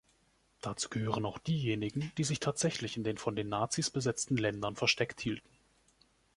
Dazu gehören auch diejenigen, die sich tatsächlich in den von den Nazis besetzten Ländern versteckt hielten.